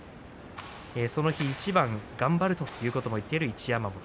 その日、一番頑張るということも言っている一山本。